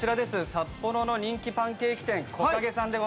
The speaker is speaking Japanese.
札幌の人気パンケーキ店・ＫＯＫＡＧＥさんです。